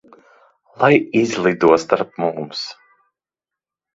Lai izlido starp mums.